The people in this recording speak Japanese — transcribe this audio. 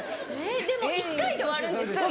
でも１回で終わるんですよ。